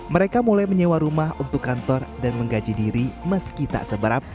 mereka mulai menyewa rumah untuk kantor dan menggaji diri meski tak sebarap